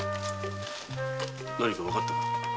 何かわかったか？